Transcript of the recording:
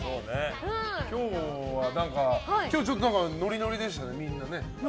今日ちょっと何かノリノリでしたね、みんなね。